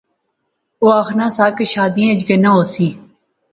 اوہ آخنا سا کہ شادیاں اچ گینا ہوسی